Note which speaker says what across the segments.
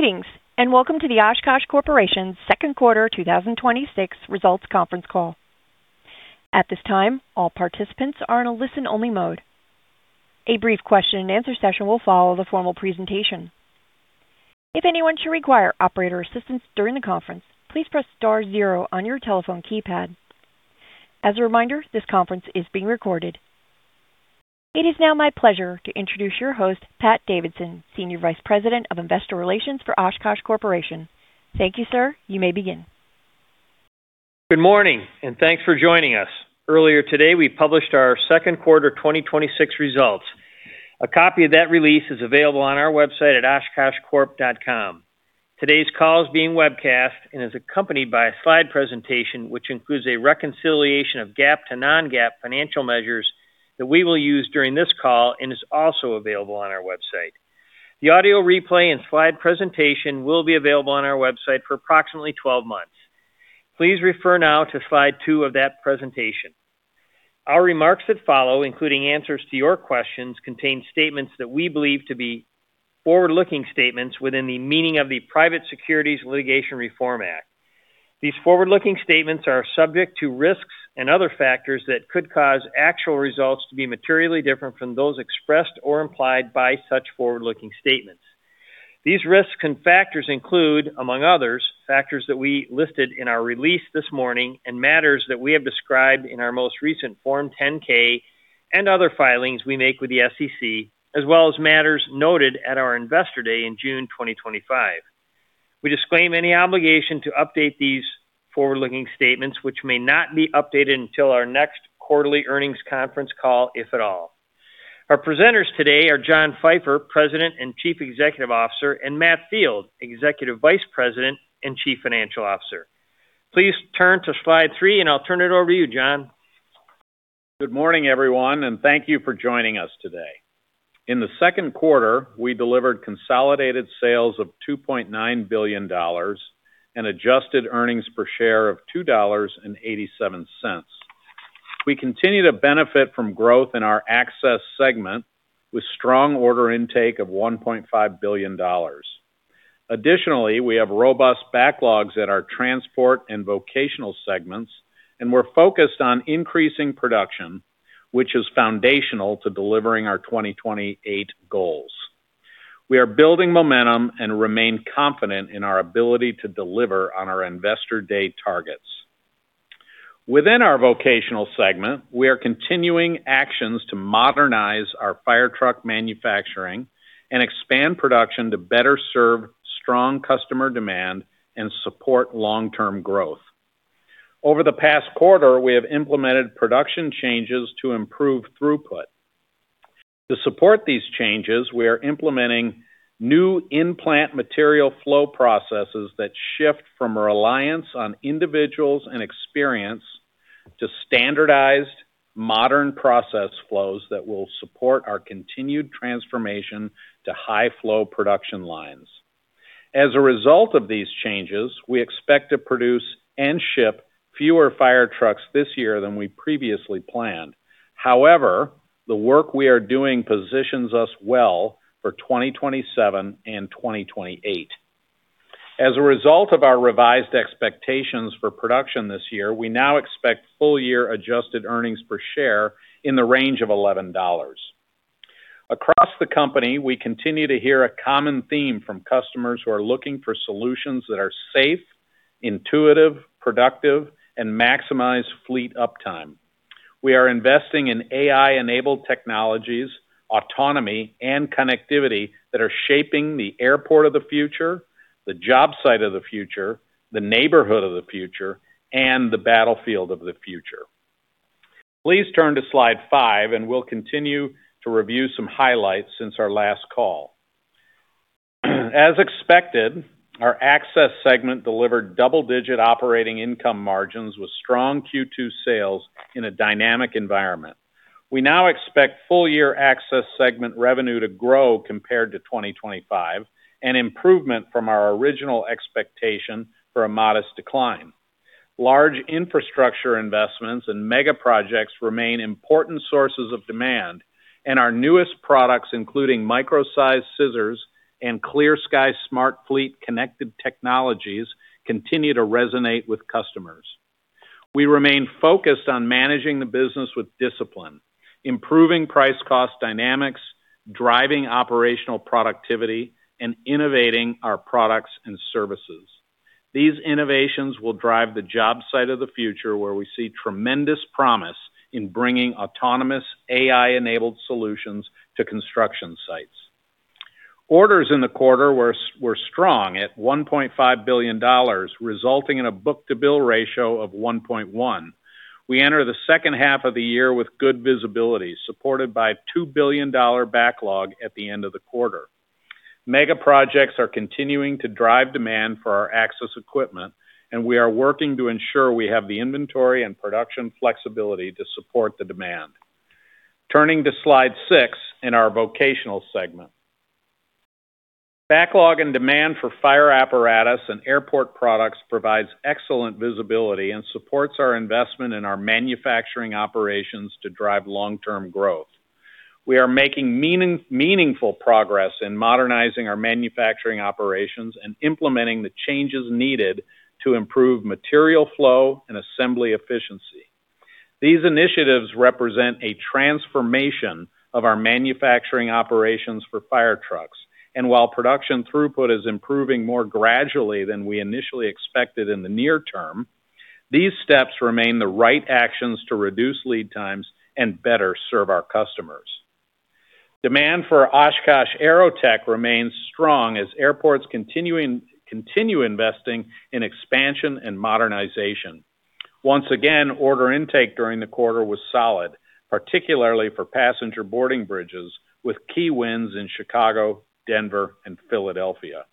Speaker 1: Greetings, welcome to the Oshkosh Corporation's second quarter 2026 results conference call. At this time, all participants are in a listen-only mode. A brief question-and-answer session will follow the formal presentation. If anyone should require operator assistance during the conference, please press star zero on your telephone keypad. As a reminder, this conference is being recorded. It is now my pleasure to introduce your host, Pat Davidson, Senior Vice President of Investor Relations for Oshkosh Corporation. Thank you, sir. You may begin.
Speaker 2: Good morning, thanks for joining us. Earlier today, we published our second quarter 2026 results. A copy of that release is available on our website at oshkoshcorp.com. Today's call is being webcast and is accompanied by a slide presentation, which includes a reconciliation of GAAP to non-GAAP financial measures that we will use during this call and is also available on our website. The audio replay and slide presentation will be available on our website for approximately 12 months. Please refer now to slide two of that presentation. Our remarks that follow, including answers to your questions, contain statements that we believe to be forward-looking statements within the meaning of the Private Securities Litigation Reform Act. These forward-looking statements are subject to risks and other factors that could cause actual results to be materially different from those expressed or implied by such forward-looking statements. These risks, factors include, among others, factors that we listed in our release this morning and matters that we have described in our most recent Form 10-K and other filings we make with the SEC, as well as matters noted at our Investor Day in June 2025. We disclaim any obligation to update these forward-looking statements, which may not be updated until our next quarterly earnings conference call, if at all. Our presenters today are John Pfeifer, President and Chief Executive Officer, and Matt Field, Executive Vice President and Chief Financial Officer. Please turn to slide three, I'll turn it over to you, John.
Speaker 3: Good morning, everyone, thank you for joining us today. In the second quarter, we delivered consolidated sales of $2.9 billion and adjusted earnings per share of $2.87. We continue to benefit from growth in our access segment with strong order intake of $1.5 billion. Additionally, we have robust backlogs at our transport and vocational segments, we're focused on increasing production, which is foundational to delivering our 2028 goals. We are building momentum and remain confident in our ability to deliver on our Investor Day targets. Within our vocational segment, we are continuing actions to modernize our fire truck manufacturing and expand production to better serve strong customer demand and support long-term growth. Over the past quarter, we have implemented production changes to improve throughput. To support these changes, we are implementing new in-plant material flow processes that shift from reliance on individuals and experience to standardized modern process flows that will support our continued transformation to high-flow production lines. As a result of these changes, we expect to produce and ship fewer fire trucks this year than we previously planned. However, the work we are doing positions us well for 2027 and 2028. As a result of our revised expectations for production this year, we now expect full-year adjusted earnings per share in the range of $11. Across the company, we continue to hear a common theme from customers who are looking for solutions that are safe, intuitive, productive, and maximize fleet uptime. We are investing in AI-enabled technologies, autonomy, and connectivity that are shaping the airport of the future, the job site of the future, the neighborhood of the future, and the battlefield of the future. Please turn to slide five, we'll continue to review some highlights since our last call. As expected, our access segment delivered double-digit operating income margins with strong Q2 sales in a dynamic environment. We now expect full-year access segment revenue to grow compared to 2025, an improvement from our original expectation for a modest decline. Large infrastructure investments and mega projects remain important sources of demand, our newest products, including micro-sized scissor lift and ClearSky Smart Fleet connected technologies, continue to resonate with customers. We remain focused on managing the business with discipline, improving price-cost dynamics, driving operational productivity, and innovating our products and services. These innovations will drive the job site of the future, where we see tremendous promise in bringing autonomous AI-enabled solutions to construction sites. Orders in the quarter were strong at $1.5 billion, resulting in a book-to-bill ratio of 1.1. We enter the second half of the year with good visibility, supported by a $2 billion backlog at the end of the quarter. Mega projects are continuing to drive demand for our access equipment, we are working to ensure we have the inventory and production flexibility to support the demand. Turning to slide six in our vocational segment. Backlog and demand for fire apparatus and airport products provides excellent visibility and supports our investment in our manufacturing operations to drive long-term growth. We are making meaningful progress in modernizing our manufacturing operations, implementing the changes needed to improve material flow and assembly efficiency. These initiatives represent a transformation of our manufacturing operations for fire trucks. While production throughput is improving more gradually than we initially expected in the near term, these steps remain the right actions to reduce lead times and better serve our customers. Demand for Oshkosh AeroTech remains strong as airports continue investing in expansion and modernization. Once again, order intake during the quarter was solid, particularly for passenger boarding bridges, with key wins in Chicago, Denver and Philadelphia.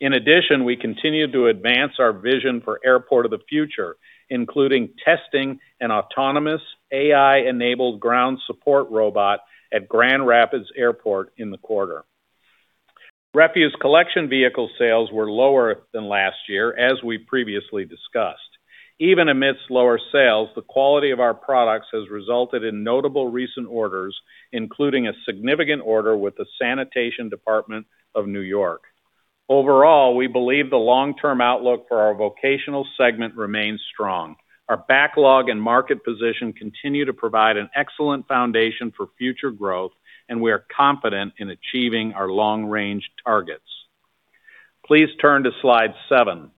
Speaker 3: In addition, we continue to advance our vision for Airport of the Future, including testing an autonomous AI-enabled ground support robot at Grand Rapids Airport in the quarter. Refuse collection vehicle sales were lower than last year, as we previously discussed. Even amidst lower sales, the quality of our products has resulted in notable recent orders, including a significant order with the New York City Department of Sanitation. Overall, we believe the long-term outlook for our vocational segment remains strong. Our backlog and market position continue to provide an excellent foundation for future growth, and we are confident in achieving our long-range targets. Please turn to slide seven.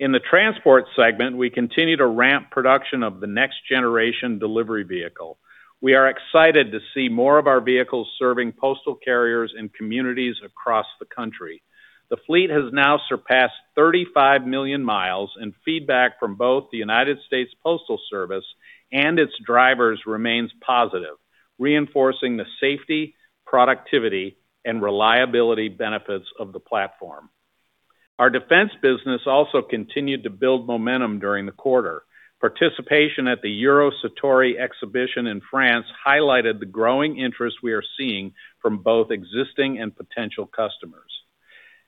Speaker 3: In the transport segment, we continue to ramp production of the Next Generation Delivery Vehicle. We are excited to see more of our vehicles serving postal carriers in communities across the country. The fleet has now surpassed 35 million miles, and feedback from both the United States Postal Service and its drivers remains positive, reinforcing the safety, productivity, and reliability benefits of the platform. Our defense business also continued to build momentum during the quarter. Participation at the Eurosatory Exhibition in France highlighted the growing interest we are seeing from both existing and potential customers.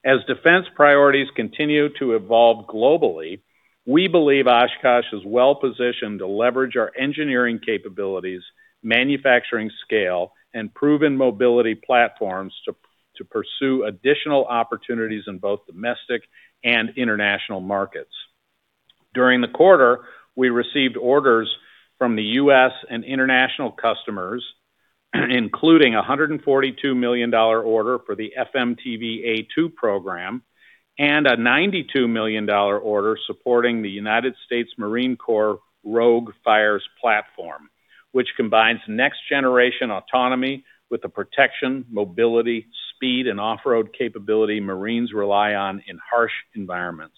Speaker 3: As defense priorities continue to evolve globally, we believe Oshkosh is well positioned to leverage our engineering capabilities, manufacturing scale, and proven mobility platforms to pursue additional opportunities in both domestic and international markets. During the quarter, we received orders from the U.S. and international customers, including a $142 million order for the FMTV A2 program and a $92 million order supporting the United States Marine Corps ROGUE-Fires platform, which combines next generation autonomy with the protection, mobility, speed, and off-road capability Marines rely on in harsh environments.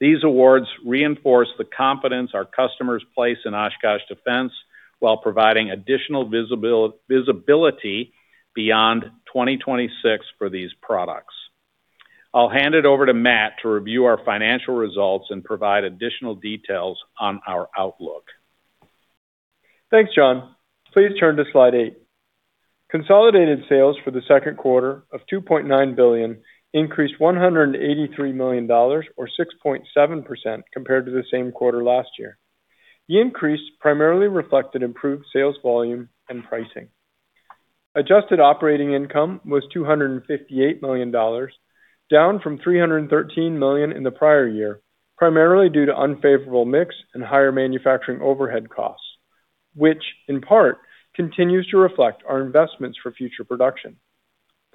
Speaker 3: These awards reinforce the confidence our customers place in Oshkosh Defense while providing additional visibility beyond 2026 for these products. I'll hand it over to Matt to review our financial results and provide additional details on our outlook.
Speaker 4: Thanks, John. Please turn to slide eight. Consolidated sales for the second quarter of $2.9 billion increased $183 million, or 6.7% compared to the same quarter last year. The increase primarily reflected improved sales volume and pricing. Adjusted operating income was $258 million, down from $313 million in the prior year, primarily due to unfavorable mix and higher manufacturing overhead costs, which in part continues to reflect our investments for future production,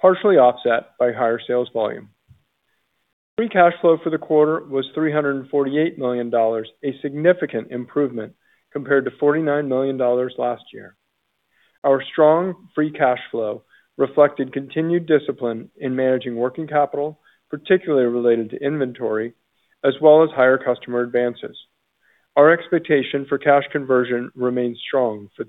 Speaker 4: partially offset by higher sales volume. Free cash flow for the quarter was $348 million, a significant improvement compared to $49 million last year. Our strong free cash flow reflected continued discipline in managing working capital, particularly related to inventory, as well as higher customer advances. Our expectation for cash conversion remains strong for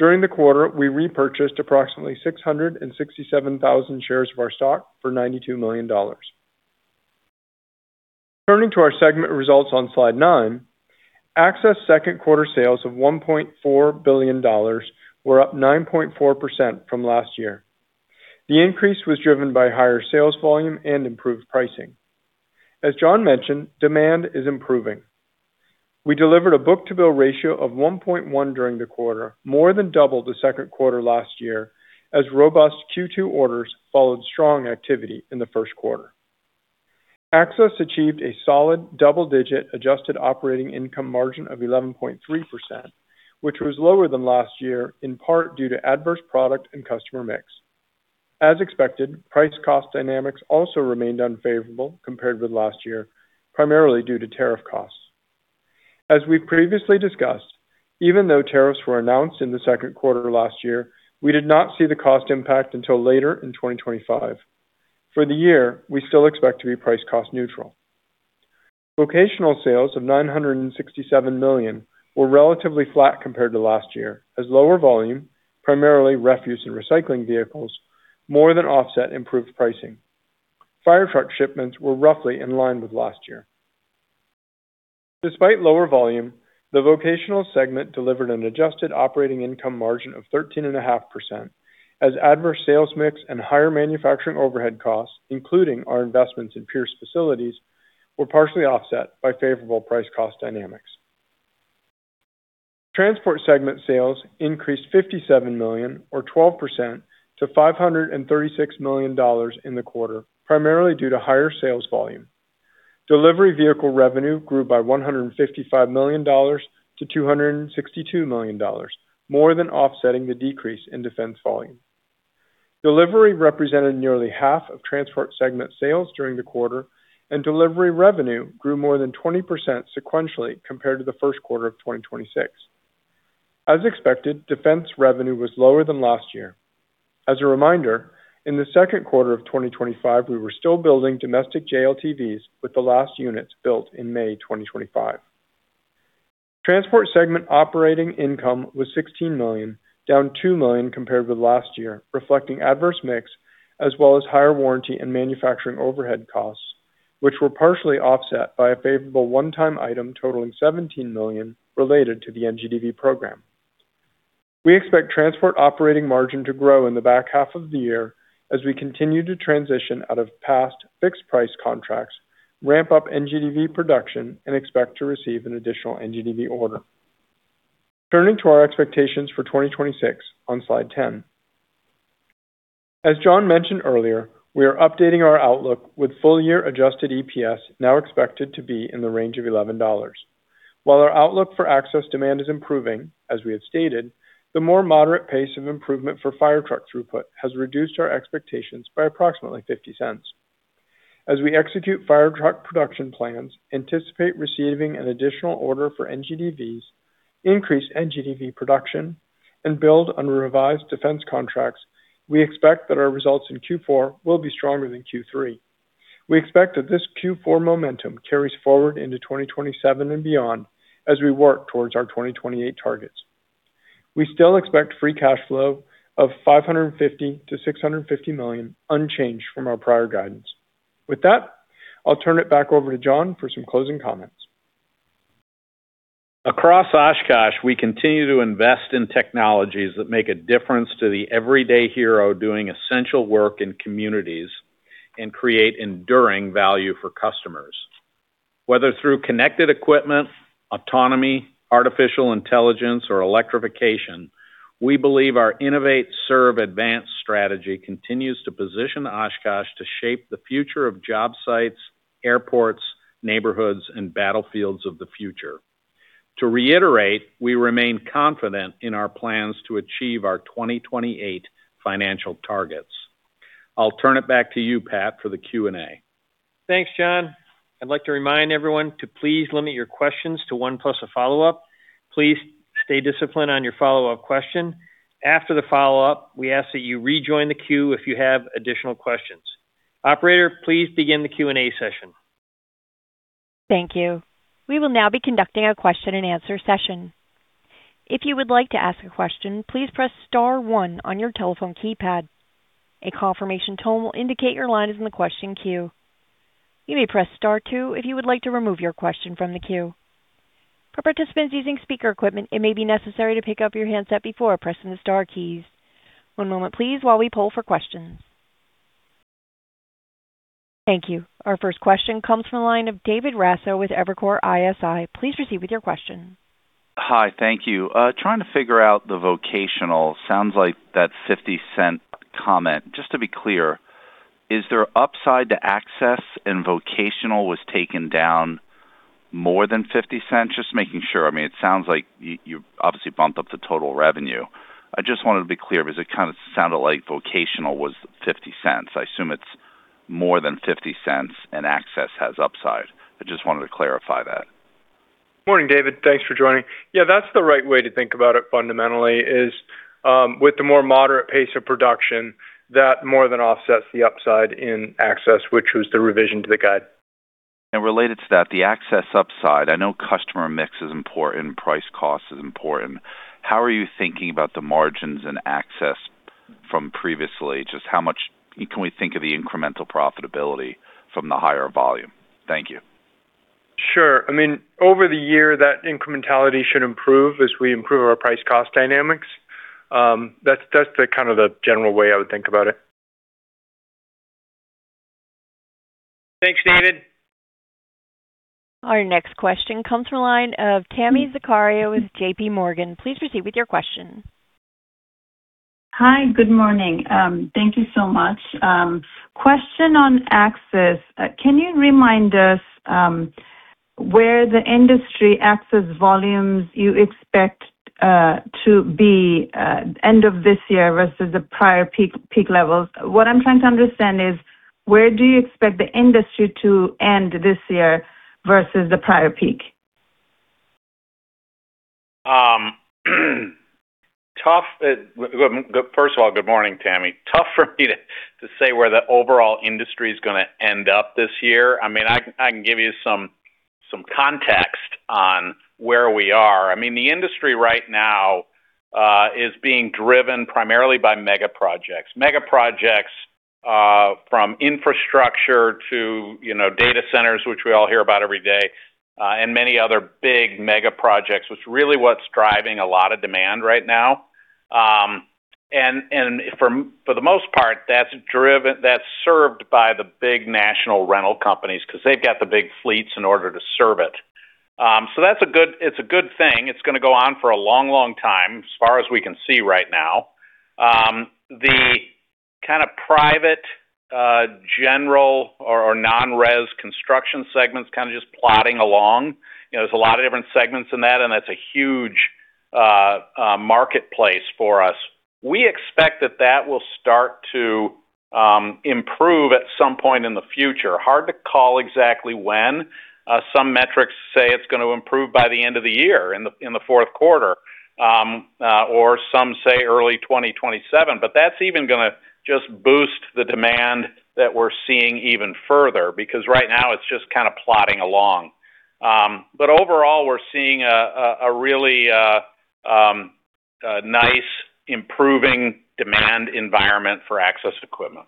Speaker 4: the year. During the quarter, we repurchased approximately 667,000 shares of our stock for $92 million. Turning to our segment results on slide nine, Access second quarter sales of $1.4 billion were up 9.4% from last year. The increase was driven by higher sales volume and improved pricing. As John mentioned, demand is improving. We delivered a book-to-bill ratio of 1.1 during the quarter, more than double the second quarter last year, as robust Q2 orders followed strong activity in the first quarter. Access achieved a solid double-digit adjusted operating income margin of 11.3%, which was lower than last year, in part due to adverse product and customer mix. As expected, price cost dynamics also remained unfavorable compared with last year, primarily due to tariff costs. As we've previously discussed, even though tariffs were announced in the second quarter last year, we did not see the cost impact until later in 2025. For the year, we still expect to be price cost neutral. Vocational sales of $967 million were relatively flat compared to last year as lower volume, primarily refuse and recycling vehicles, more than offset improved pricing. Fire truck shipments were roughly in line with last year. Despite lower volume, the vocational segment delivered an adjusted operating income margin of 13.5% as adverse sales mix and higher manufacturing overhead costs, including our investments in Pierce facilities, were partially offset by favorable price cost dynamics. Transport segment sales increased $57 million or 12% to $536 million in the quarter, primarily due to higher sales volume. Delivery vehicle revenue grew by $155 million-$262 million, more than offsetting the decrease in defense volume. Delivery represented nearly half of transport segment sales during the quarter. Delivery revenue grew more than 20% sequentially compared to the first quarter of 2026. As expected, defense revenue was lower than last year. As a reminder, in the second quarter of 2025, we were still building domestic JLTVs with the last units built in May 2025. Transport segment operating income was $16 million, down $2 million compared with last year, reflecting adverse mix as well as higher warranty and manufacturing overhead costs, which were partially offset by a favorable one-time item totaling $17 million related to the NGDV program. We expect transport operating margin to grow in the back half of the year as we continue to transition out of past fixed price contracts, ramp up NGDV production and expect to receive an additional NGDV order. Turning to our expectations for 2026 on slide 10. As John mentioned earlier, we are updating our outlook with full year adjusted EPS now expected to be in the range of $11. While our outlook for access demand is improving, as we have stated, the more moderate pace of improvement for firetruck throughput has reduced our expectations by approximately $0.50. As we execute firetruck production plans, anticipate receiving an additional order for NGDVs, increase NGDV production and build on revised defense contracts, we expect that our results in Q4 will be stronger than Q3. We expect that this Q4 momentum carries forward into 2027 and beyond as we work towards our 2028 targets. We still expect free cash flow of $550 million-$650 million unchanged from our prior guidance. With that, I'll turn it back over to John for some closing comments.
Speaker 3: Across Oshkosh, we continue to invest in technologies that make a difference to the everyday hero doing essential work in communities and create enduring value for customers. Whether through connected equipment, autonomy, artificial intelligence or electrification, we believe our innovate serve advance strategy continues to position Oshkosh to shape the future of job sites, airports, neighborhoods and battlefields of the future. To reiterate, we remain confident in our plans to achieve our 2028 financial targets. I'll turn it back to you, Pat, for the Q&A.
Speaker 2: Thanks, John. I'd like to remind everyone to please limit your questions to one plus a follow-up. Please stay disciplined on your follow-up question. After the follow-up, we ask that you rejoin the queue if you have additional questions. Operator, please begin the Q&A session.
Speaker 1: Thank you. We will now be conducting a question-and-answer session. If you would like to ask a question, please press star one on your telephone keypad. A confirmation tone will indicate your line is in the question queue. You may press star two if you would like to remove your question from the queue. For participants using speaker equipment, it may be necessary to pick up your handset before pressing the star keys. One moment please while we poll for questions. Thank you. Our first question comes from the line of David Raso with Evercore ISI. Please proceed with your question.
Speaker 5: Hi, thank you. Trying to figure out the vocational, sounds like that $0.50 comment. Just to be clear, is there upside to access and vocational was taken down more than $0.50? Just making sure. It sounds like you obviously bumped up the total revenue. I just wanted to be clear because it kind of sounded like vocational was $0.50. I assume it's more than $0.50 and access has upside. I just wanted to clarify that.
Speaker 4: Morning, David. Thanks for joining. Yeah, that's the right way to think about it fundamentally is, with the more moderate pace of production that more than offsets the upside in access, which was the revision to the guide.
Speaker 5: Related to that, the Access upside. I know customer mix is important, price cost is important. How are you thinking about the margins and Access from previously? Just how much can we think of the incremental profitability from the higher volume? Thank you.
Speaker 4: Sure. Over the year, that incrementality should improve as we improve our price cost dynamics. That's kind of the general way I would think about it.
Speaker 3: Thanks, David.
Speaker 1: Our next question comes from the line of Tami Zakaria with JPMorgan. Please proceed with your question.
Speaker 6: Hi, good morning. Thank you so much. Question on access. Can you remind us where the industry access volumes you expect to be end of this year versus the prior peak levels? What I'm trying to understand is where do you expect the industry to end this year versus the prior peak?
Speaker 3: First of all, good morning, Tami. Tough for me to say where the overall industry is going to end up this year. I can give you some context on where we are. The industry right now is being driven primarily by mega projects. Mega projects from infrastructure to data centers, which we all hear about every day, and many other big mega projects, which is really what's driving a lot of demand right now. For the most part, that's served by the big national rental companies because they've got the big fleets in order to serve it. It's a good thing. It's going to go on for a long time, as far as we can see right now. The private general or non-res construction segment is just plodding along. There's a lot of different segments in that, and that's a huge marketplace for us. We expect that that will start to improve at some point in the future. Hard to call exactly when. Some metrics say it's going to improve by the end of the year, in the fourth quarter, or some say early 2027. That's even going to just boost the demand that we're seeing even further because right now it's just plodding along. Overall, we're seeing a really nice improving demand environment for access equipment.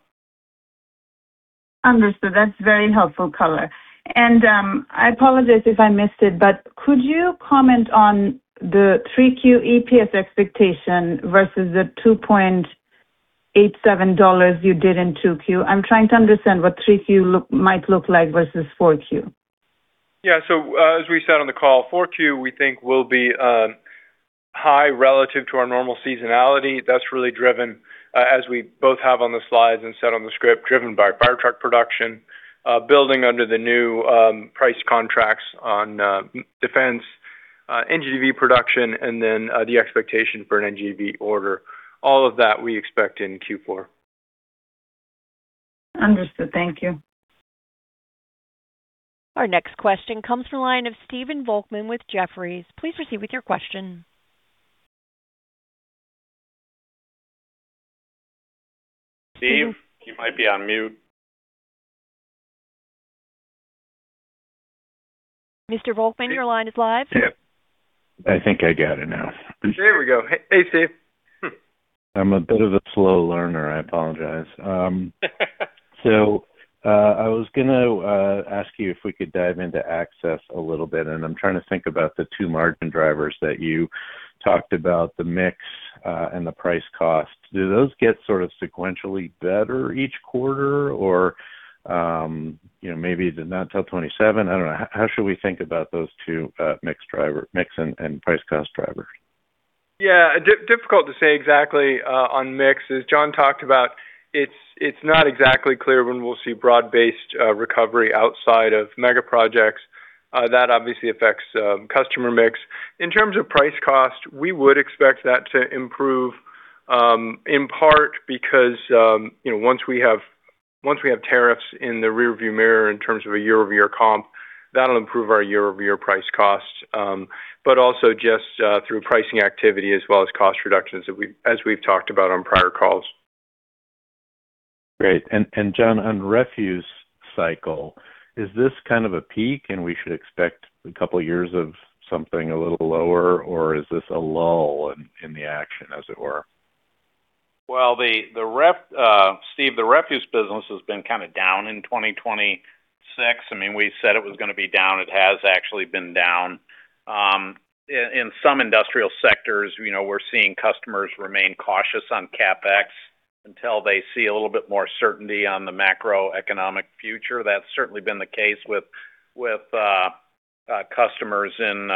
Speaker 6: Understood. That's very helpful color. I apologize if I missed it, but could you comment on the 3Q EPS expectation versus the $2.87 you did in 2Q? I'm trying to understand what 3Q might look like versus 4Q.
Speaker 4: Yeah. As we said on the call, 4Q, we think will be high relative to our normal seasonality. That's really driven, as we both have on the slides and said on the script, driven by fire truck production, building under the new price contracts on defense NGDV production, and then the expectation for an NGDV order. All of that we expect in Q4.
Speaker 6: Understood. Thank you.
Speaker 1: Our next question comes from the line of Stephen Volkmann with Jefferies. Please proceed with your question.
Speaker 4: Steve, you might be on mute.
Speaker 1: Mr. Volkmann, your line is live.
Speaker 7: Yep, I think I got it now.
Speaker 4: There we go. Hey, Steve.
Speaker 7: I'm a bit of a slow learner. I apologize. I was going to ask you if we could dive into Access a little bit, and I'm trying to think about the two margin drivers that you talked about, the mix, and the price cost. Do those get sort of sequentially better each quarter? Or maybe not till 2027? I don't know. How should we think about those two mix and price cost drivers?
Speaker 4: Difficult to say exactly on mix. As John talked about, it's not exactly clear when we'll see broad-based recovery outside of mega projects. That obviously affects customer mix. In terms of price cost, we would expect that to improve in part because once we have tariffs in the rearview mirror in terms of a year-over-year comp, that'll improve our year-over-year price costs. Also just through pricing activity as well as cost reductions as we've talked about on prior calls.
Speaker 7: Great. John, on refuse cycle, is this kind of a peak, and we should expect a couple of years of something a little lower, or is this a lull in the action, as it were?
Speaker 3: Well, Steve, the refuse business has been down in 2026. We said it was going to be down. It has actually been down. In some industrial sectors, we're seeing customers remain cautious on CapEx until they see a little bit more certainty on the macroeconomic future. That's certainly been the case with customers in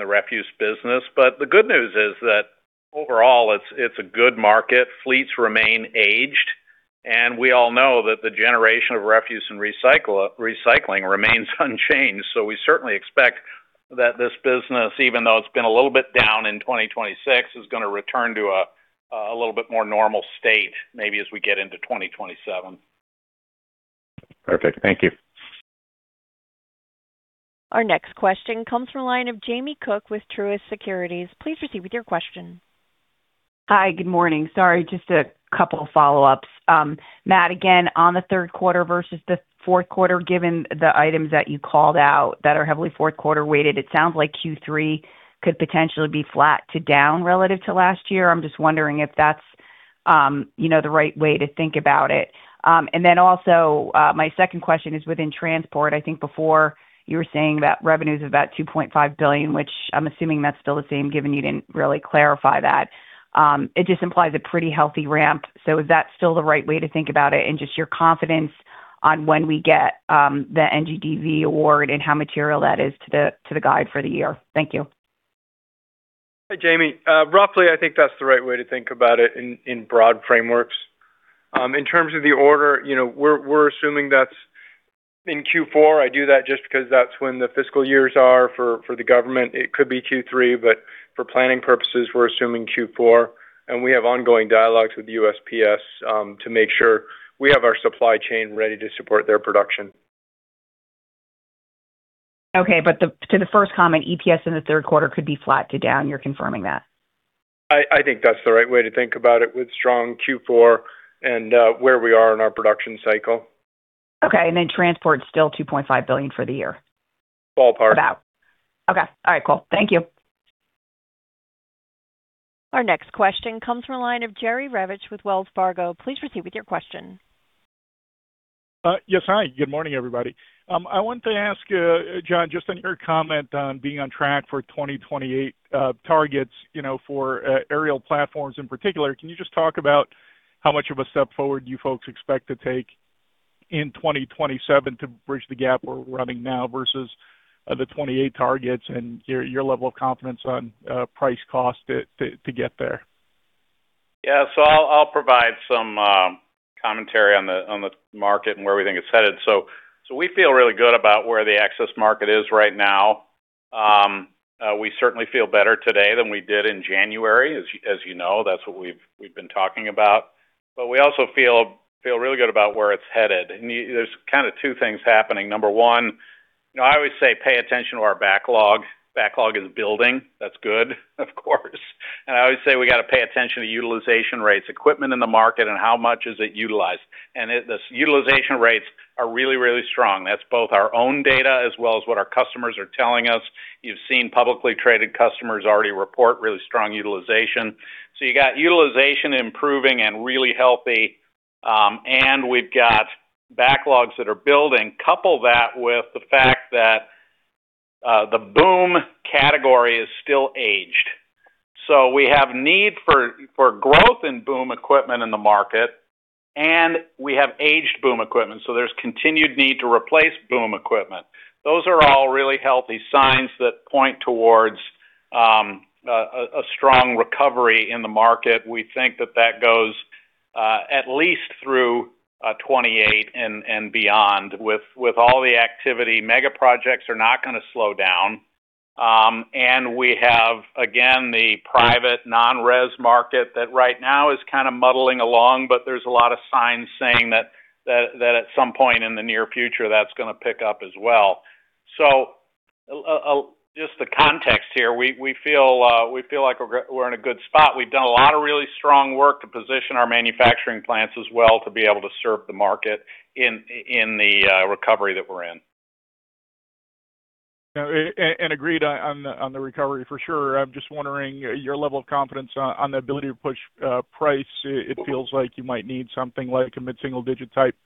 Speaker 3: the refuse business. The good news is that overall, it's a good market. Fleets remain aged, and we all know that the generation of refuse and recycling remains unchanged. We certainly expect that this business, even though it's been a little bit down in 2026, is going to return to a little bit more normal state, maybe as we get into 2027.
Speaker 7: Perfect. Thank you.
Speaker 1: Our next question comes from the line of Jamie Cook with Truist Securities. Please proceed with your question.
Speaker 8: Hi. Good morning. Sorry, just a couple of follow-ups. Matt, again, on the third quarter versus the fourth quarter, given the items that you called out that are heavily fourth quarter weighted, it sounds like Q3 could potentially be flat to down relative to last year. I'm just wondering if that's the right way to think about it. My second question is within transport. I think before you were saying that revenues of about $2.5 billion, which I'm assuming that's still the same, given you didn't really clarify that. It just implies a pretty healthy ramp. Is that still the right way to think about it? And just your confidence on when we get the NGDV award and how material that is to the guide for the year. Thank you.
Speaker 4: Hey, Jamie. Roughly, I think that's the right way to think about it in broad frameworks. In terms of the order, we're assuming that's in Q4. I do that just because that's when the fiscal years are for the government. It could be Q3, but for planning purposes, we're assuming Q4. We have ongoing dialogues with the USPS to make sure we have our supply chain ready to support their production.
Speaker 8: Okay. To the first comment, EPS in the third quarter could be flat to down. You're confirming that?
Speaker 4: I think that's the right way to think about it with strong Q4 and where we are in our production cycle.
Speaker 8: Okay. transport's still $2.5 billion for the year.
Speaker 4: Ballpark.
Speaker 8: About. Okay. All right, cool. Thank you.
Speaker 1: Our next question comes from the line of Jerry Revich with Wells Fargo. Please proceed with your question.
Speaker 9: Yes. Hi, good morning, everybody. I want to ask John, just on your comment on being on track for 2028 targets, for aerial platforms in particular, can you just talk about how much of a step forward you folks expect to take in 2027 to bridge the gap we're running now versus the 2028 targets and your level of confidence on price cost to get there?
Speaker 3: Yeah. I'll provide some commentary on the market and where we think it's headed. We feel really good about where the access market is right now. We certainly feel better today than we did in January, as you know. That's what we've been talking about. We also feel really good about where it's headed, and there's kind of two things happening. Number one, I always say pay attention to our backlog. Backlog is building. That's good, of course. I always say we got to pay attention to utilization rates, equipment in the market, and how much is it utilized. The utilization rates are really, really strong. That's both our own data as well as what our customers are telling us. You've seen publicly traded customers already report really strong utilization. You got utilization improving and really healthy. We've got backlogs that are building. Couple that with the fact that the boom category is still aged. We have need for growth in boom equipment in the market, and we have aged boom equipment, so there's continued need to replace boom equipment. Those are all really healthy signs that point towards a strong recovery in the market. We think that that goes at least through 2028 and beyond with all the activity. Mega projects are not going to slow down. We have, again, the private non-res market that right now is kind of muddling along, but there's a lot of signs saying that at some point in the near future, that's going to pick up as well. Just the context here, we feel like we're in a good spot. We've done a lot of really strong work to position our manufacturing plants as well to be able to serve the market in the recovery that we're in.
Speaker 9: Agreed on the recovery for sure. I'm just wondering your level of confidence on the ability to push price. It feels like you might need something like a mid-single digit type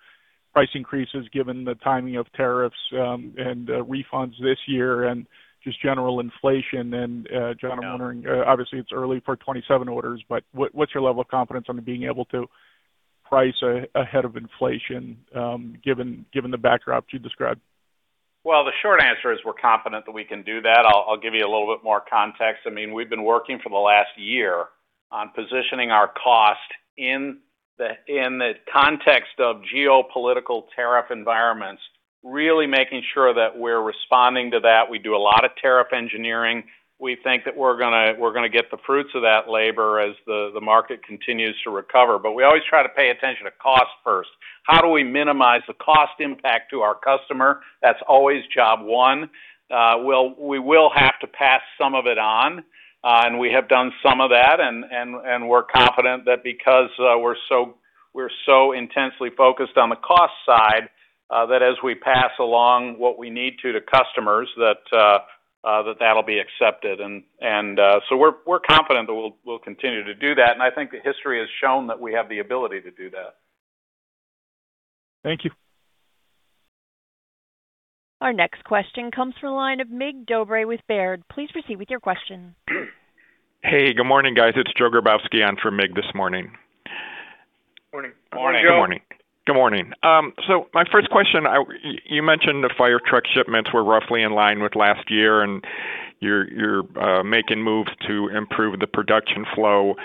Speaker 9: price increases given the timing of tariffs and refunds this year and just general inflation. John, I'm wondering, obviously it's early for 2027 orders, but what's your level of confidence on being able to price ahead of inflation given the backdrop you described?
Speaker 3: Well, the short answer is we're confident that we can do that. I'll give you a little bit more context. We've been working for the last year on positioning our cost in the context of geopolitical tariff environments, really making sure that we're responding to that. We do a lot of tariff engineering. We think that we're going to get the fruits of that labor as the market continues to recover. We always try to pay attention to cost first. How do we minimize the cost impact to our customer? That's always job one. We will have to pass some of it on, and we have done some of that, and we're confident that because we're so intensely focused on the cost side, that as we pass along what we need to customers, that'll be accepted. We're confident that we'll continue to do that. I think that history has shown that we have the ability to do that.
Speaker 9: Thank you.
Speaker 1: Our next question comes from the line of Mig Dobre with Baird. Please proceed with your question.
Speaker 10: Hey, good morning, guys. It's Joe Grabowski on for Mig this morning.
Speaker 3: Morning. Morning, Joe.
Speaker 10: Good morning. My first question, you mentioned the fire truck shipments were roughly in line with last year, and you're making moves to improve the production flow.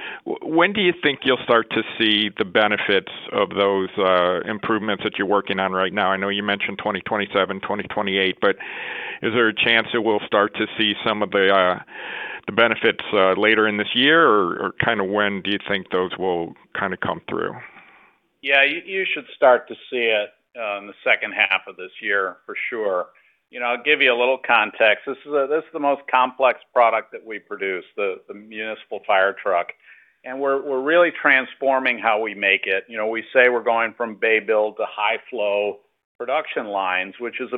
Speaker 10: When do you think you'll start to see the benefits of those improvements that you're working on right now? I know you mentioned 2027, 2028, but is there a chance that we'll start to see some of the benefits later in this year, or when do you think those will come through?
Speaker 3: You should start to see it in the second half of this year for sure. I'll give you a little context. This is the most complex product that we produce, the municipal fire truck. We're really transforming how we make it. We say we're going from bay build to high flow production lines, which is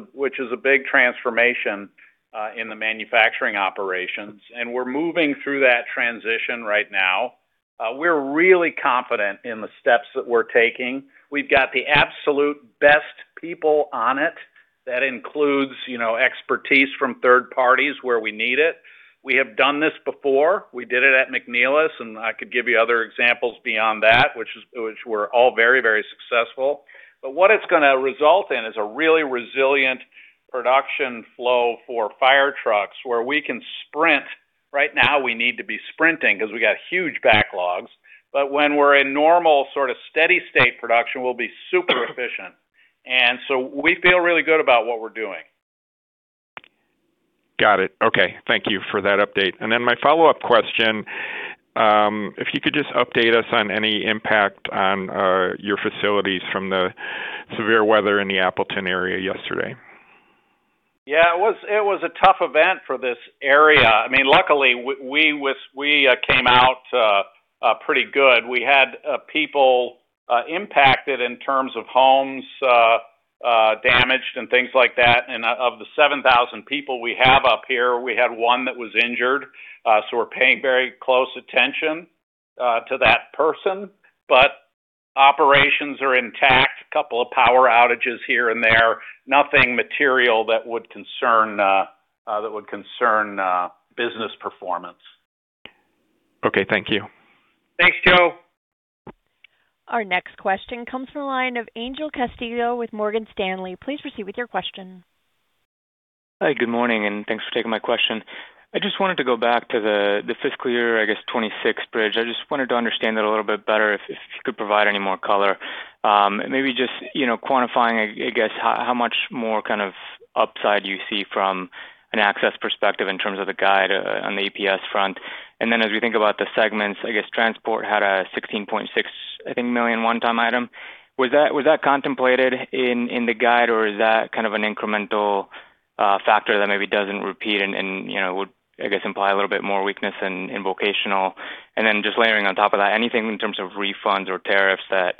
Speaker 3: a big transformation in the manufacturing operations, and we're moving through that transition right now. We're really confident in the steps that we're taking. We've got the absolute best people on it. That includes expertise from third parties where we need it. We have done this before. We did it at McNeilus, and I could give you other examples beyond that, which were all very, very successful. What it's going to result in is a really resilient production flow for fire trucks where we can sprint. Right now we need to be sprinting because we got huge backlogs. When we're in normal sort of steady state production, we'll be super efficient. We feel really good about what we're doing.
Speaker 10: Got it. Okay. Thank you for that update. My follow-up question, if you could just update us on any impact on your facilities from the severe weather in the Appleton area yesterday.
Speaker 3: It was a tough event for this area. Luckily, we came out pretty good. We had people impacted in terms of homes damaged and things like that. Of the 7,000 people we have up here, we had one that was injured, so we're paying very close attention to that person. Operations are intact. Couple of power outages here and there. Nothing material that would concern business performance.
Speaker 10: Okay. Thank you.
Speaker 3: Thanks, Joe.
Speaker 1: Our next question comes from the line of Angel Castillo with Morgan Stanley. Please proceed with your question.
Speaker 11: Hi, good morning, and thanks for taking my question. I just wanted to go back to the fiscal year, I guess, 2026 bridge. I just wanted to understand it a little bit better. If you could provide any more color. Maybe just quantifying, I guess, how much more kind of upside you see from an access perspective in terms of the guide on the APS front. As we think about the segments, I guess transport had a $16.6 million one-time item. Was that contemplated in the guide, or is that kind of an incremental factor that maybe doesn't repeat and would, I guess, imply a little bit more weakness in vocational? Just layering on top of that, anything in terms of refunds or tariffs that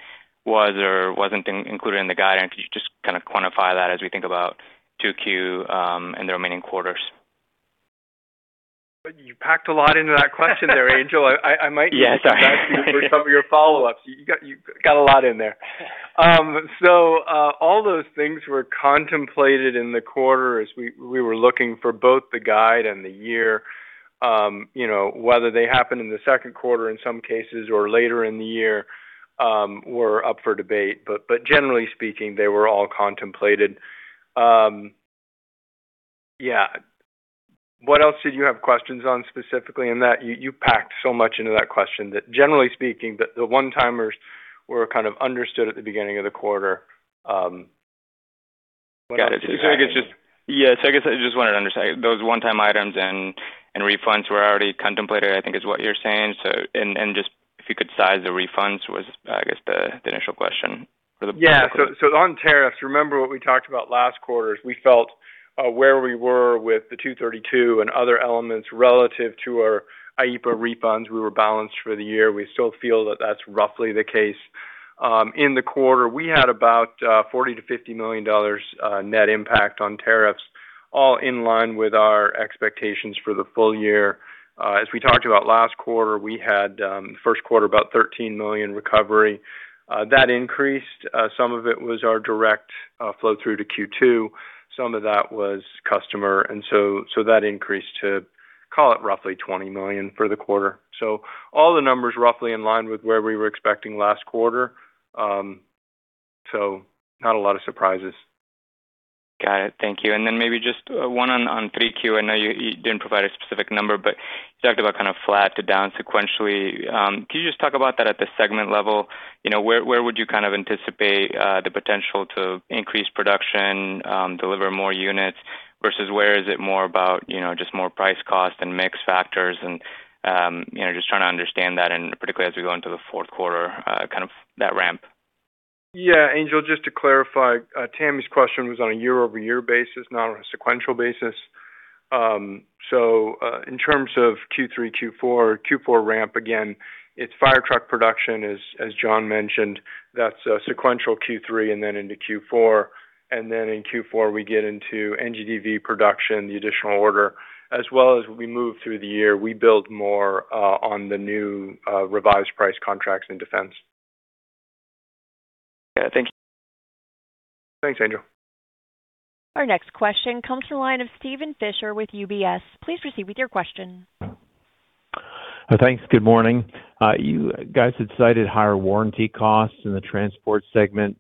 Speaker 11: was or wasn't included in the guidance. Can you just kind of quantify that as we think about 2Q and the remaining quarters?
Speaker 4: You packed a lot into that question there, Angel.
Speaker 11: Yeah, sorry.
Speaker 4: I might need to come back to you for some of your follow-ups. You got a lot in there. All those things were contemplated in the quarter as we were looking for both the guide and the year. Whether they happened in the second quarter in some cases or later in the year, were up for debate. Generally speaking, they were all contemplated. What else did you have questions on specifically in that? You packed so much into that question that generally speaking, the one-timers were kind of understood at the beginning of the quarter.
Speaker 11: Got it. I guess I just wanted to understand, those one-time items and refunds were already contemplated, I think is what you're saying. Just if you could size the refunds was, I guess the initial question.
Speaker 4: Yeah. On tariffs, remember what we talked about last quarter is we felt where we were with the Section 232 and other elements relative to our IEEPA refunds, we were balanced for the year. We still feel that that's roughly the case. In the quarter, we had about $40 million-$50 million net impact on tariffs, all in line with our expectations for the full year. As we talked about last quarter, we had first quarter about $13 million recovery. That increased. Some of it was our direct flow through to Q2. Some of that was customer, that increased to call it roughly $20 million for the quarter. All the numbers roughly in line with where we were expecting last quarter. Not a lot of surprises.
Speaker 11: Got it. Thank you. Then maybe just one on 3Q. I know you didn't provide a specific number, but you talked about kind of flat to down sequentially. Can you just talk about that at the segment level? Where would you kind of anticipate the potential to increase production, deliver more units versus where is it more about just more price cost and mix factors and just trying to understand that and particularly as we go into the fourth quarter, kind of that ramp.
Speaker 4: Yeah. Angel, just to clarify, Tami's question was on a year-over-year basis, not on a sequential basis. In terms of Q3, Q4 ramp, again, it's fire truck production as John mentioned, that's sequential Q3 and then into Q4. In Q4, we get into NGDV production, the additional order. As well as we move through the year, we build more on the new revised price contracts in defense.
Speaker 11: Yeah. Thank you.
Speaker 4: Thanks, Angel.
Speaker 1: Our next question comes from the line of Steven Fisher with UBS. Please proceed with your question.
Speaker 12: Thanks. Good morning. You guys had cited higher warranty costs in the transport segment.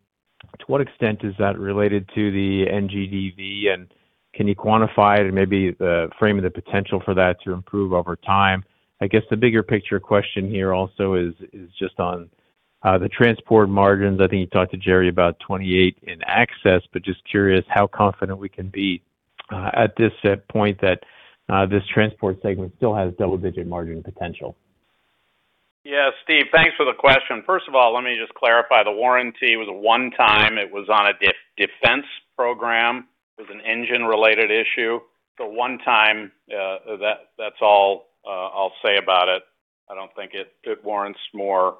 Speaker 12: To what extent is that related to the NGDV, and can you quantify it and maybe frame the potential for that to improve over time? I guess the bigger picture question here also is just on the transport margins. I think you talked to Jerry about 28 in Access, but just curious how confident we can be at this point that this transport segment still has double-digit margin potential.
Speaker 3: Yeah, Steve, thanks for the question. First of all, let me just clarify the warranty was a one time. It was on a defense program. It was an engine-related issue. One time, that's all I'll say about it. I don't think it warrants more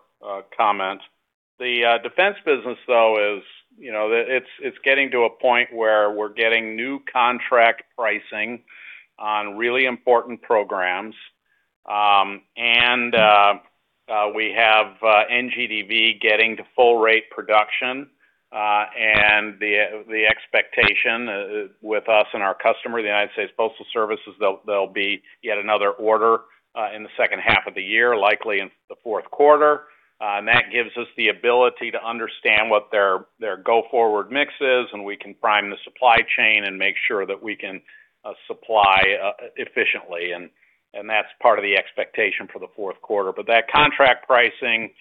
Speaker 3: comment. The defense business, though, it's getting to a point where we're getting new contract pricing on really important programs. We have NGDV getting to full rate production. The expectation with us and our customer, the United States Postal Service, there'll be yet another order in the second half of the year, likely in the fourth quarter. That gives us the ability to understand what their go-forward mix is, and we can prime the supply chain and make sure that we can supply efficiently. That's part of the expectation for the fourth quarter. That contract pricing,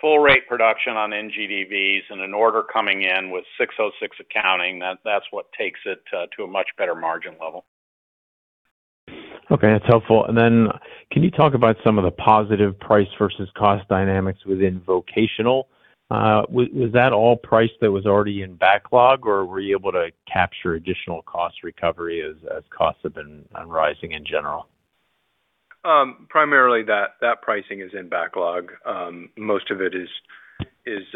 Speaker 3: full rate production on NGDVs and an order coming in with 606 accounting, that's what takes it to a much better margin level.
Speaker 12: Okay. That's helpful. Can you talk about some of the positive price versus cost dynamics within vocational? Was that all price that was already in backlog, or were you able to capture additional cost recovery as costs have been rising in general?
Speaker 3: Primarily that pricing is in backlog. Most of it is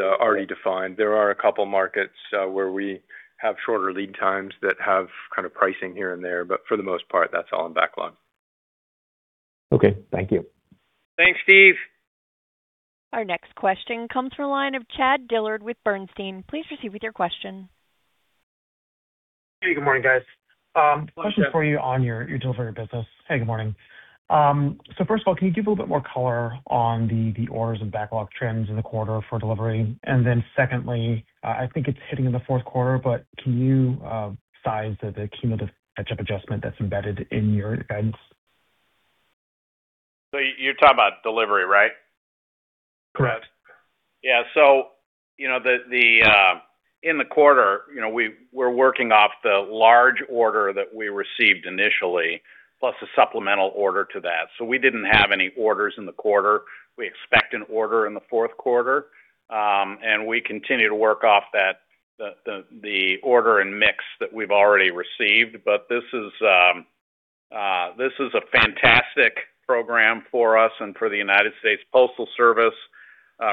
Speaker 3: already defined. There are a couple markets where we have shorter lead times that have pricing here and there, but for the most part, that's all in backlog.
Speaker 12: Okay. Thank you.
Speaker 3: Thanks, Steve.
Speaker 1: Our next question comes from the line of Chad Dillard with Bernstein. Please proceed with your question.
Speaker 13: Hey, good morning, guys. Question for you on your delivery business. Hey, good morning. First of all, can you give a little bit more color on the orders and backlog trends in the quarter for delivery? Secondly, I think it's hitting in the fourth quarter, but can you size the cumulative hedge adjustment that's embedded in your guidance?
Speaker 3: You're talking about delivery, right?
Speaker 13: Correct.
Speaker 3: In the quarter, we're working off the large order that we received initially, plus a supplemental order to that. We didn't have any orders in the quarter. We expect an order in the fourth quarter. We continue to work off the order and mix that we've already received. This is a fantastic program for us and for the United States Postal Service.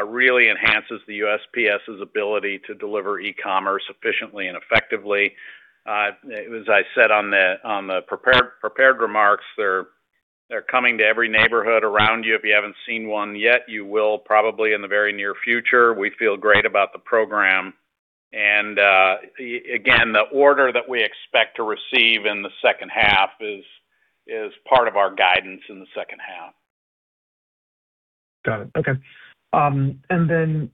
Speaker 3: Really enhances the USPS's ability to deliver e-commerce efficiently and effectively. As I said on the prepared remarks, they're coming to every neighborhood around you. If you haven't seen one yet, you will probably in the very near future. We feel great about the program. Again, the order that we expect to receive in the second half is part of our guidance in the second half.
Speaker 13: Got it. Okay.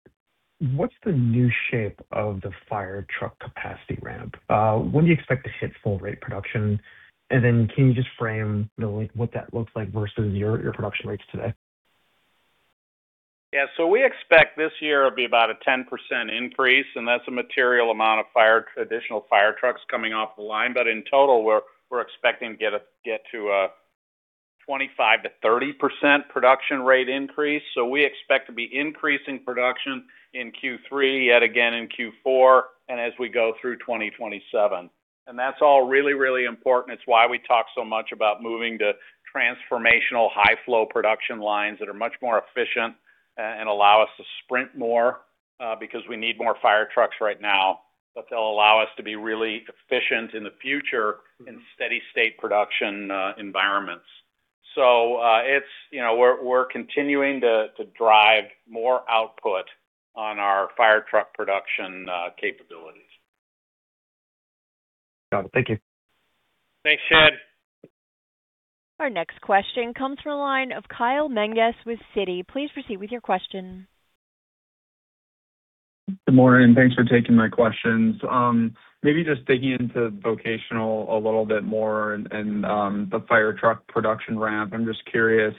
Speaker 13: What's the new shape of the fire truck capacity ramp? When do you expect to hit full rate production? Can you just frame what that looks like versus your production rates today?
Speaker 3: We expect this year it'll be about a 10% increase, and that's a material amount of additional fire trucks coming off the line. In total, we're expecting to get to a 25%-30% production rate increase. We expect to be increasing production in Q3, yet again in Q4, and as we go through 2027. That's all really, really important. It's why we talk so much about moving to transformational high flow production lines that are much more efficient and allow us to sprint more, because we need more fire trucks right now, but they'll allow us to be really efficient in the future in steady state production environments. We're continuing to drive more output on our fire truck production capabilities.
Speaker 13: Got it. Thank you.
Speaker 3: Thanks, Chad.
Speaker 1: Our next question comes from the line of Kyle Menges with Citi. Please proceed with your question.
Speaker 14: Good morning, and thanks for taking my questions. Maybe just digging into Vocational a little bit more and the fire truck production ramp. I'm just curious,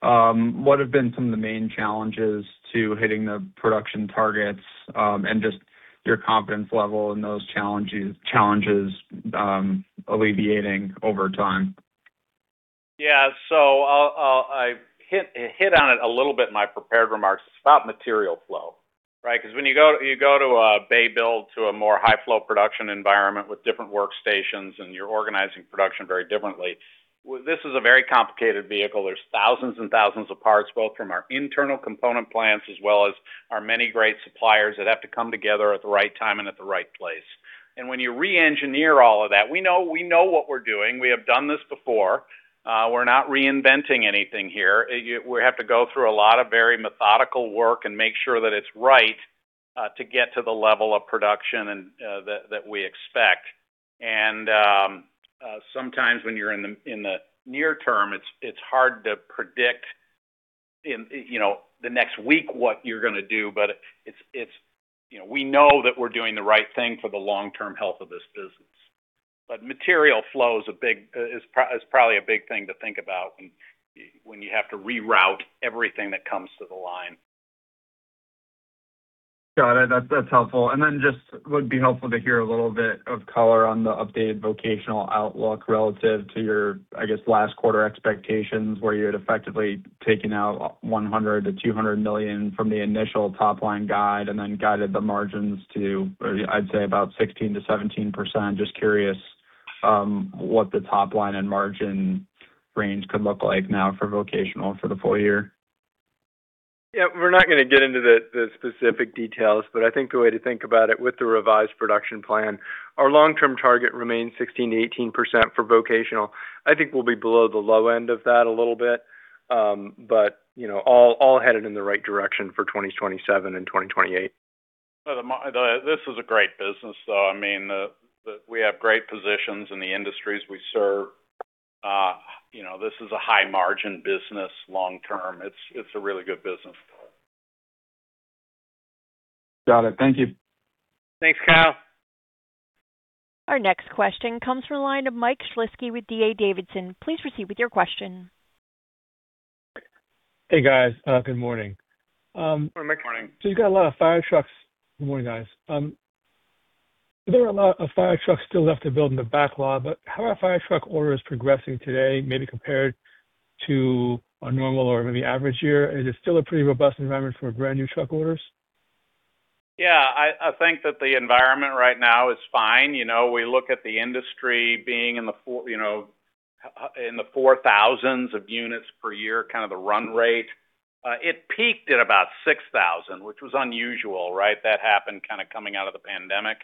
Speaker 14: what have been some of the main challenges to hitting the production targets, and just your confidence level in those challenges alleviating over time?
Speaker 3: Yeah. I hit on it a little bit in my prepared remarks. It's about material flow, right? Because when you go to a bay build to a more high flow production environment with different workstations and you're organizing production very differently, this is a very complicated vehicle. There's thousands and thousands of parts, both from our internal component plants as well as our many great suppliers that have to come together at the right time and at the right place. When you re-engineer all of that, we know what we're doing. We have done this before. We're not reinventing anything here. We have to go through a lot of very methodical work and make sure that it's right to get to the level of production that we expect. Sometimes when you're in the near term, it's hard to predict the next week what you're going to do. We know that we're doing the right thing for the long-term health of this business. Material flow is probably a big thing to think about when you have to reroute everything that comes to the line.
Speaker 14: Got it. That's helpful. Just would be helpful to hear a little bit of color on the updated Vocational outlook relative to your, I guess, last quarter expectations, where you had effectively taken out $100 million-$200 million from the initial top line guide and then guided the margins to, I'd say, about 16%-17%. Just curious, what the top line and margin range could look like now for Vocational for the full year.
Speaker 4: We're not going to get into the specific details, I think the way to think about it with the revised production plan, our long-term target remains 16%-18% for Vocational. I think we'll be below the low end of that a little bit. All headed in the right direction for 2027 and 2028.
Speaker 3: This is a great business, though. We have great positions in the industries we serve. This is a high margin business long term. It's a really good business.
Speaker 14: Got it. Thank you.
Speaker 3: Thanks, Kyle.
Speaker 1: Our next question comes from the line of Mike Shlisky with D.A. Davidson. Please proceed with your question.
Speaker 15: Hey, guys. Good morning.
Speaker 3: Good morning, Mike.
Speaker 4: Morning.
Speaker 15: You've got a lot of fire trucks Good morning, guys. There are a lot of fire trucks still left to build in the backlog, how are fire truck orders progressing today, maybe compared to a normal or maybe average year? Is it still a pretty robust environment for brand new truck orders?
Speaker 3: Yeah, I think that the environment right now is fine. We look at the industry being in the 4,000s of units per year, kind of the run rate. It peaked at about 6,000, which was unusual, right? That happened kind of coming out of the pandemic.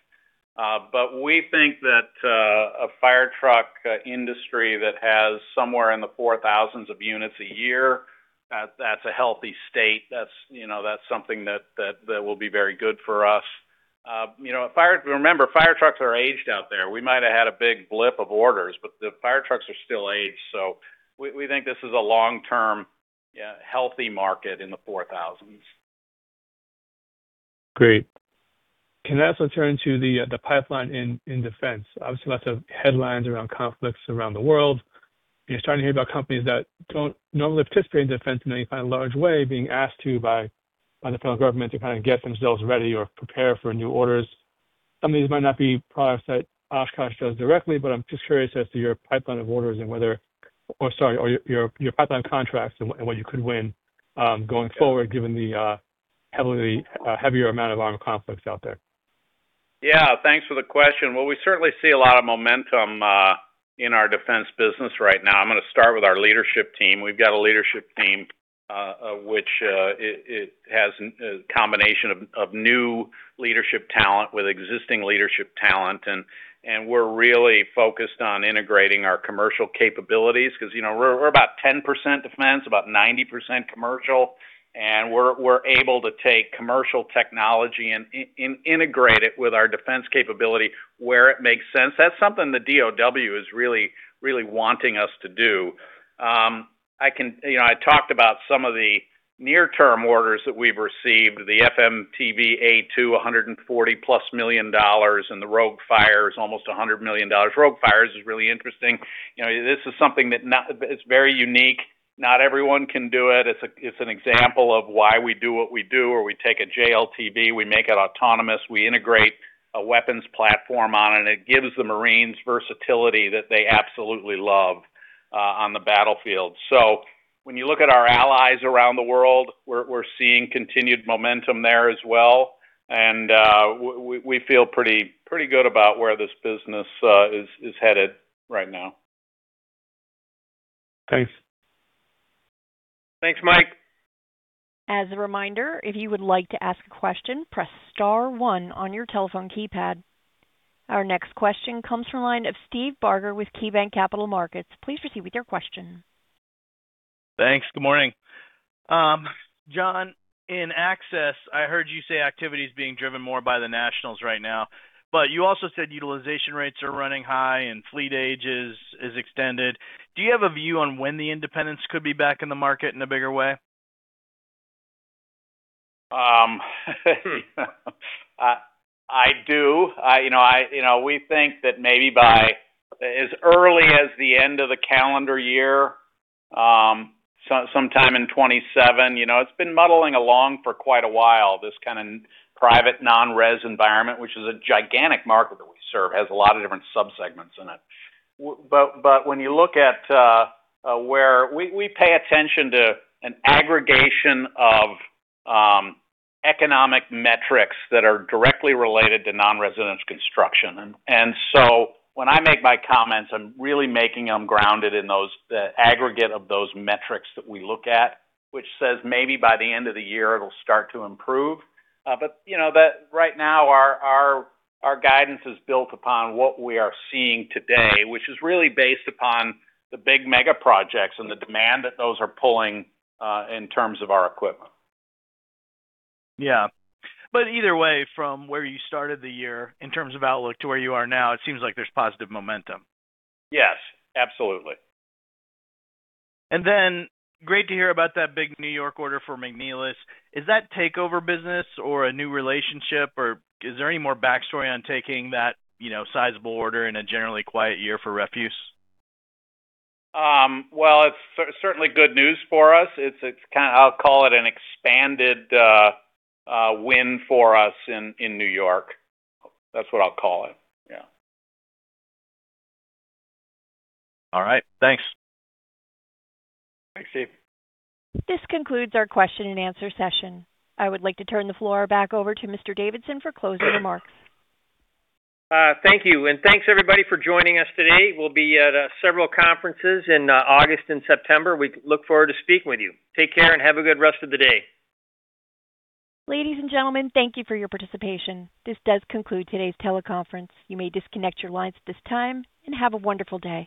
Speaker 3: We think that a fire truck industry that has somewhere in the 4,000s of units a year, that's a healthy state. That's something that will be very good for us. Remember, fire trucks are aged out there. We might have had a big blip of orders, but the fire trucks are still aged. We think this is a long-term, healthy market in the 4,000s.
Speaker 15: Great. Can I also turn to the pipeline in Defense? Obviously, lots of headlines around conflicts around the world. You're starting to hear about companies that don't normally participate in Defense in any kind of large way, being asked to by the federal government to kind of get themselves ready or prepare for new orders. Some of these might not be products that Oshkosh does directly, but I'm just curious as to your pipeline of orders or your pipeline contracts and what you could win going forward given the heavier amount of armed conflicts out there.
Speaker 3: Yeah. Thanks for the question. Well, we certainly see a lot of momentum in our defense business right now. I am going to start with our leadership team. We have got a leadership team which has a combination of new leadership talent with existing leadership talent. We are really focused on integrating our commercial capabilities because we are about 10% defense, about 90% commercial. We are able to take commercial technology and integrate it with our defense capability where it makes sense. That is something the DOD is really wanting us to do. I talked about some of the near-term orders that we have received, the FMTV A2, $140 plus million, and the ROGUE-Fires almost $100 million. ROGUE-Fires is really interesting. This is something that is very unique. Not everyone can do it. It is an example of why we do what we do, where we take a JLTV, we make it autonomous, we integrate a weapons platform on it. It gives the Marines versatility that they absolutely love on the battlefield. When you look at our allies around the world, we are seeing continued momentum there as well. We feel pretty good about where this business is headed right now.
Speaker 15: Thanks.
Speaker 3: Thanks, Mike.
Speaker 1: As a reminder, if you would like to ask a question, press star one on your telephone keypad. Our next question comes from line of Steve Barger with KeyBanc Capital Markets. Please proceed with your question.
Speaker 16: Thanks. Good morning. John, in Access, I heard you say activity is being driven more by the nationals right now, but you also said utilization rates are running high and fleet age is extended. Do you have a view on when the independents could be back in the market in a bigger way?
Speaker 3: I do. We think that maybe by as early as the end of the calendar year, sometime in 2027. It's been muddling along for quite a while, this kind of private non-res environment, which is a gigantic market that we serve, has a lot of different sub-segments in it. When you look at, we pay attention to an aggregation of economic metrics that are directly related to non-residence construction. When I make my comments, I'm really making them grounded in the aggregate of those metrics that we look at, which says maybe by the end of the year it'll start to improve. Right now our guidance is built upon what we are seeing today, which is really based upon the big mega projects and the demand that those are pulling in terms of our equipment.
Speaker 16: Yeah. Either way, from where you started the year in terms of outlook to where you are now, it seems like there's positive momentum.
Speaker 3: Yes, absolutely.
Speaker 16: Great to hear about that big New York order for McNeilus. Is that takeover business or a new relationship? Or is there any more backstory on taking that sizable order in a generally quiet year for refuse?
Speaker 3: Well, it's certainly good news for us. I'll call it an expanded win for us in New York. That's what I'll call it. Yeah.
Speaker 16: All right. Thanks.
Speaker 3: Thanks, Steve.
Speaker 1: This concludes our question-and-answer session. I would like to turn the floor back over to Mr. Davidson for closing remarks.
Speaker 2: Thank you. Thanks everybody for joining us today. We'll be at several conferences in August and September. We look forward to speaking with you. Take care and have a good rest of the day.
Speaker 1: Ladies and gentlemen, thank you for your participation. This does conclude today's teleconference. You may disconnect your lines at this time and have a wonderful day.